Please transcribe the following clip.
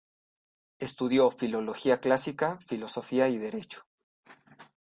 Estudió filología clásica, filosofía y derecho.